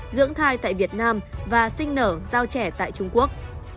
dưỡng thai tại việt nam và sinh nở giao trẻ tại trung quốc